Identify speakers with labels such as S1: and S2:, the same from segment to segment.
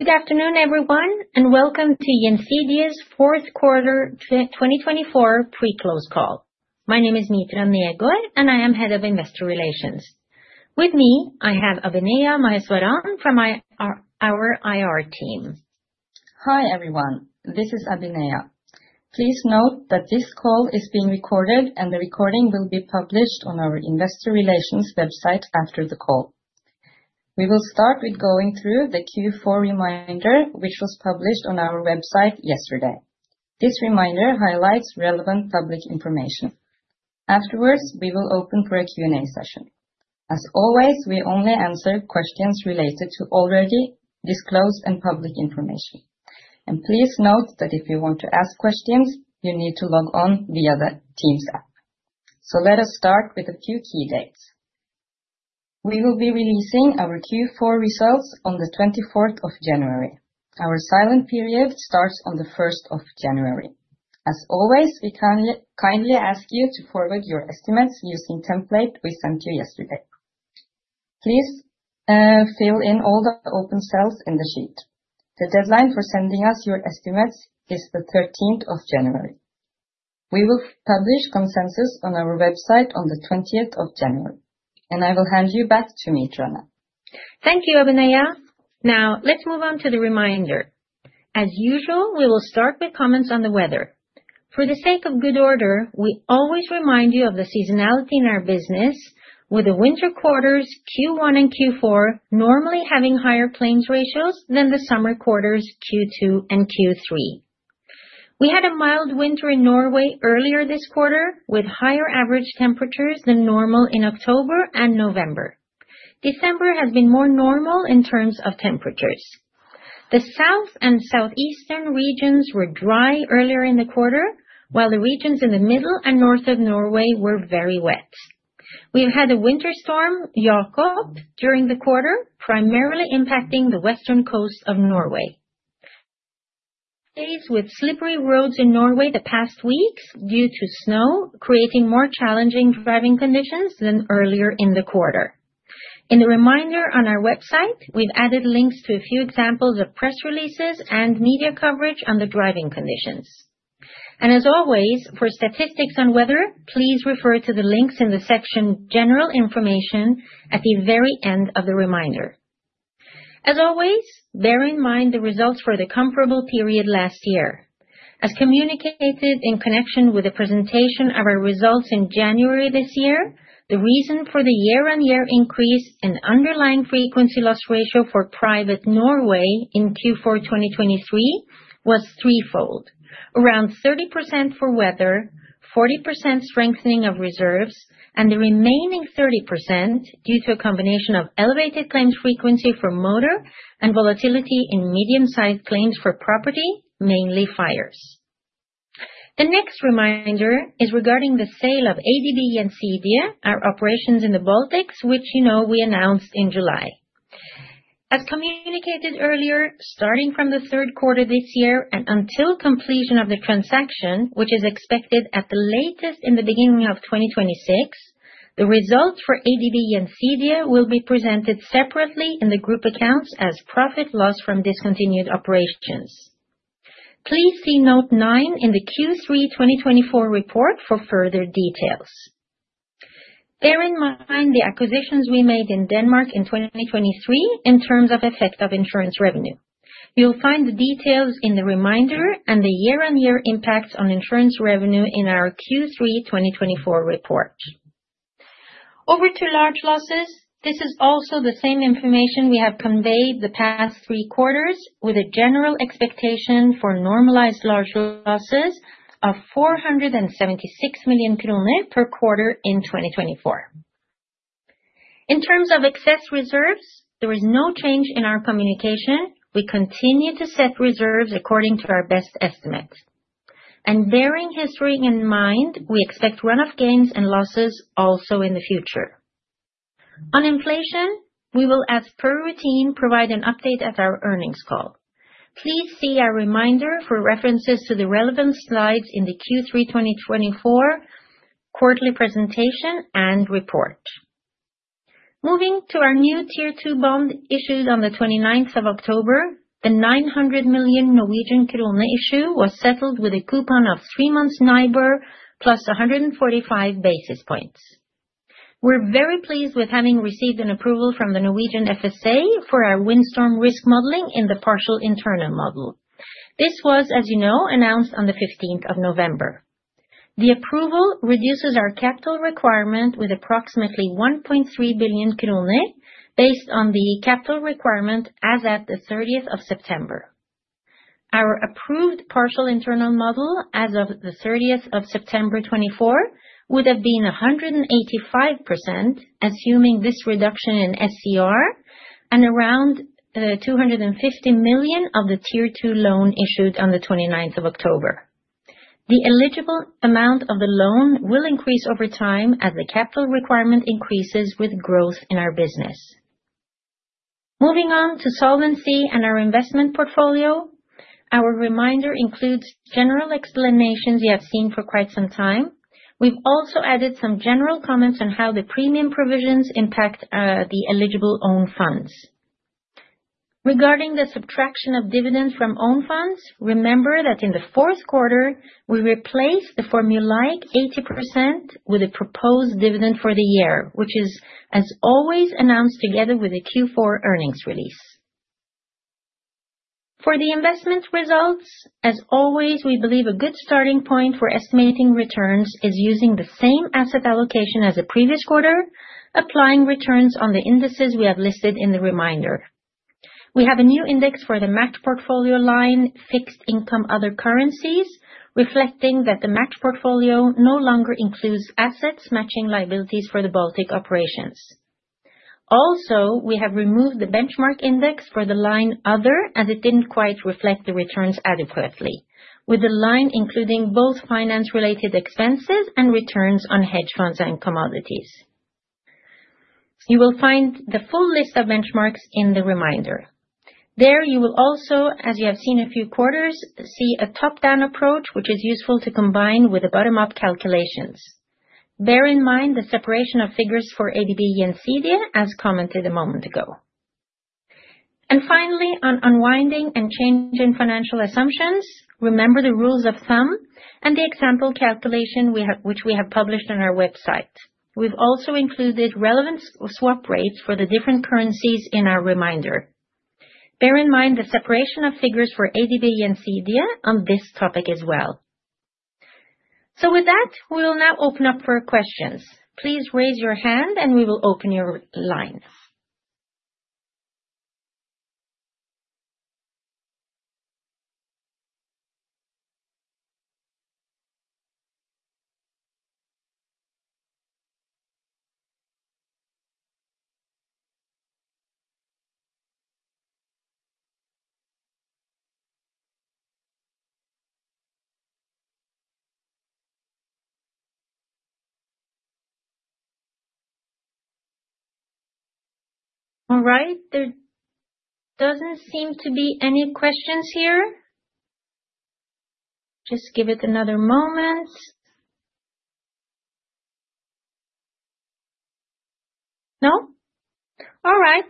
S1: Good afternoon, everyone, and welcome to Gjensidige's Fourth Quarter 2024 Pre-Close Call. My name is Mitra Negård, and I am Head of Investor Relations. With me, I have Apineya Maheswaran from our IR team.
S2: Hi everyone, this is Apineya. Please note that this call is being recorded, and the recording will be published on our investor relations website after the call. We will start with going through the Q4 reminder, which was published on our website yesterday. This reminder highlights relevant public information. Afterwards, we will open for a Q&A session. As always, we only answer questions related to already disclosed and public information. And please note that if you want to ask questions, you need to log on via the Teams app. So let us start with a few key dates. We will be releasing our Q4 results on the 24th of January. Our silent period starts on the 1st of January. As always, we kindly ask you to forward your estimates using the template we sent you yesterday. Please fill in all the open cells in the sheet. The deadline for sending us your estimates is the 13th of January. We will publish the consensus on our website on the 20th of January. And I will hand you back to Mitra now.
S1: Thank you, Apineya. Now, let's move on to the reminder. As usual, we will start with comments on the weather. For the sake of good order, we always remind you of the seasonality in our business, with the winter quarters Q1 and Q4 normally having higher claims ratios than the summer quarters Q2 and Q3. We had a mild winter in Norway earlier this quarter, with higher average temperatures than normal in October and November. December has been more normal in terms of temperatures. The south and southeastern regions were dry earlier in the quarter, while the regions in the middle and north of Norway were very wet. We have had a winter storm, Jakob, during the quarter, primarily impacting the western coast of Norway. Days with slippery roads in Norway the past weeks due to snow creating more challenging driving conditions than earlier in the quarter. In the reminder on our website, we've added links to a few examples of press releases and media coverage on the driving conditions, and as always, for statistics on weather, please refer to the links in the section General Information at the very end of the reminder. As always, bear in mind the results for the comparable period last year. As communicated in connection with the presentation of our results in January this year, the reason for the year-on-year increase in underlying frequency loss ratio for private Norway in Q4 2023 was threefold: around 30% for weather, 40% strengthening of reserves, and the remaining 30% due to a combination of elevated claims frequency for motor and volatility in medium-sized claims for property, mainly fires. The next reminder is regarding the sale of ADB Gjensidige, our operations in the Baltics, which you know we announced in July. As communicated earlier, starting from the third quarter this year and until completion of the transaction, which is expected at the latest in the beginning of 2026, the results for ADB Gjensidige will be presented separately in the group accounts as profit or loss from discontinued operations. Please see note nine in the Q3 2024 report for further details. Bear in mind the acquisitions we made in Denmark in 2023 in terms of effective insurance revenue. You'll find the details in the remainder and the year-on-year impacts on insurance revenue in our Q3 2024 report. Over to large losses. This is also the same information we have conveyed the past three quarters, with a general expectation for normalized large losses of 476 million kroner per quarter in 2024. In terms of excess reserves, there is no change in our communication. We continue to set reserves according to our best estimates. And bearing history in mind, we expect run-off gains and losses also in the future. On inflation, we will, as per routine, provide an update at our earnings call. Please see our reminder for references to the relevant slides in the Q3 2024 quarterly presentation and report. Moving to our new Tier 2 bond issued on the 29th of October, the 900 million Norwegian krone issue was settled with a coupon of three months NIBOR plus 145 basis points. We're very pleased with having received an approval from the Norwegian FSA for our windstorm risk modeling in the partial internal model. This was, as you know, announced on the 15th of November. The approval reduces our capital requirement with approximately 1.3 billion krone based on the capital requirement as at the 30th of September. Our approved partial internal model as of the 30th of September 2024 would have been 185%, assuming this reduction in SCR and around 250 million of the Tier 2 loan issued on the 29th of October. The eligible amount of the loan will increase over time as the capital requirement increases with growth in our business. Moving on to solvency and our investment portfolio. Our reminder includes general explanations you have seen for quite some time. We've also added some general comments on how the premium provisions impact the eligible own funds. Regarding the subtraction of dividends from own funds, remember that in the fourth quarter, we replaced the formulaic 80% with a proposed dividend for the year, which is, as always, announced together with the Q4 earnings release. For the investment results, as always, we believe a good starting point for estimating returns is using the same asset allocation as the previous quarter, applying returns on the indices we have listed in the reminder. We have a new index for the Match Portfolio line, Fixed Income Other Currencies, reflecting that the Match Portfolio no longer includes assets matching liabilities for the Baltic operations. Also, we have removed the benchmark index for the line other as it didn't quite reflect the returns adequately, with the line including both finance-related expenses and returns on hedge funds and commodities. You will find the full list of benchmarks in the reminder. There you will also, as you have seen a few quarters, see a top-down approach, which is useful to combine with the bottom-up calculations. Bear in mind the separation of figures for ADB Gjensidige, as commented a moment ago. And finally, on unwinding and changing financial assumptions, remember the rules of thumb and the example calculation which we have published on our website. We've also included relevant swap rates for the different currencies in our reminder. Bear in mind the separation of figures for ADB Gjensidige on this topic as well. So with that, we will now open up for questions. Please raise your hand and we will open your line. All right. There doesn't seem to be any questions here. Just give it another moment. No? All right.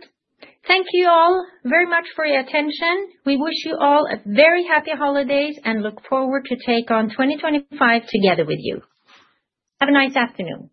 S1: Thank you all very much for your attention. We wish you all very happy holidays and look forward to taking on 2025 together with you. Have a nice afternoon.